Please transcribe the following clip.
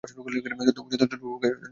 তবু যথেষ্ট দ্রুতবেগে টাকা জমিতে চায় না।